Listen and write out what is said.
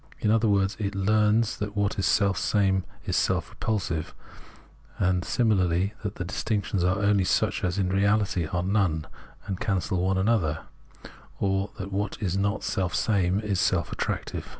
In other words, it learns that what is selfsame is self repulsive, and, similarly, that the distinctions are only such as in reality are none and cancel one another, or that what is not selfsame is self attractive.